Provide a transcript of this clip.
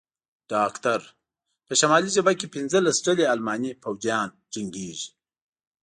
ډاکټر: په شمالي جبهه کې پنځلس ډلې الماني پوځیان جنګېږي.